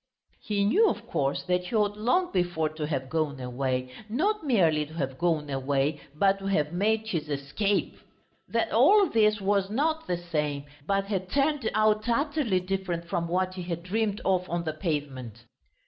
He knew, of course, that he ought long before to have gone away, not merely to have gone away but to have made his escape. That all this was not the same, but had turned out utterly different from what he had dreamed of on the pavement.